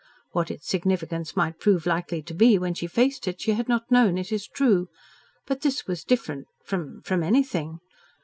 What its significance might prove likely to be when she faced it, she had not known, it is true. But this was different from from anything.